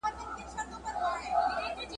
زما له شرنګه به لړزیږي تر قیامته خلوتونه `